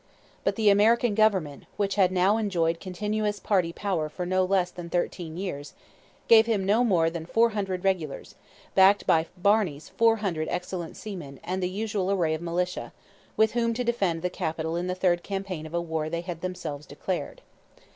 But the American government, which had now enjoyed continuous party power for no less than thirteen years, gave him no more than four hundred regulars, backed by Barney's four hundred excellent seamen and the usual array of militia, with whom to defend the capital in the third campaign of a war they had themselves declared.